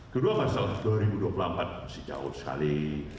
kedua masalah dua ribu dua puluh empat masih jauh sekali